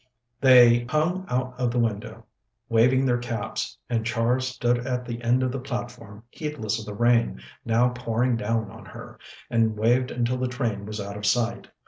They hung out of the window, waving their caps, and Char stood at the end of the platform, heedless of the rain now pouring down on her, and waved until the train was out of sight.